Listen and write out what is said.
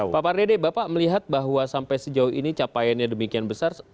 pak pardede bapak melihat bahwa sampai sejauh ini capaiannya demikian besar